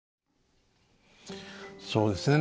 そうですね。